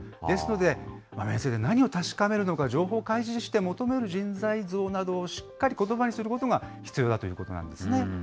ですので、面接で何を確かめるのか、情報開示して、求める人材像などをしっかりことばにすることが必要だということなんですね。